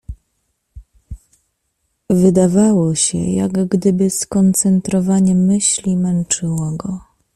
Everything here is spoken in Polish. Wydawało się, jak gdyby skoncentrowanie myśli męczyło go.